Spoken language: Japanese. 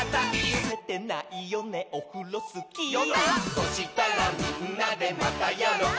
「そしたらみんなで『またやろう！』」